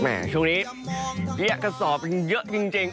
แหม่ช่วงนี้เลี้ยงกระสอบเยอะจริง